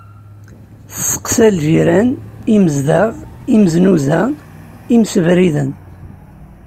Testeqsa lǧiran, imezdaɣ, imznuza, imsebriden.